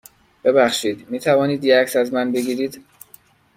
ببخشید، می توانید یه عکس از من بگیرید؟